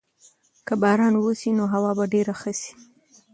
که باران وسي نو هوا به ډېره ښه سي.